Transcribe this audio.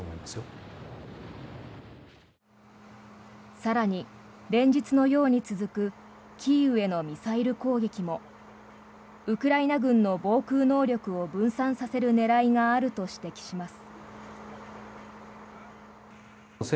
更に、連日のように続くキーウへのミサイル攻撃もウクライナ軍の防空能力を分散させる狙いがあると指摘します。